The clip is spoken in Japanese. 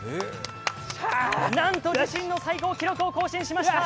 なんと自身の最高記録を更新しました。